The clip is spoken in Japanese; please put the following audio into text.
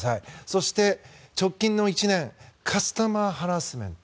そして、直近の１年カスタマーハラスメント。